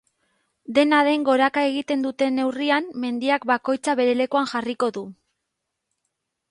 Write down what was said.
Dena den goraka egiten duten neurrian, mendiak bakoitza bere lekuan jarriko du.